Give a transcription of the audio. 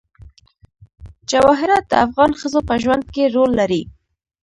جواهرات د افغان ښځو په ژوند کې رول لري.